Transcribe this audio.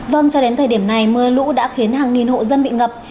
vâng cho đến thời điểm này mưa lũ đã khiến hàng nghìn hộ dân bị ngập